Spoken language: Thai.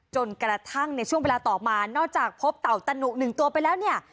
จนกระทั่งในช่วงเวลาต่อมานอกจากพบเต่าตะหนุหนึ่งตัวไปแล้วเนี่ย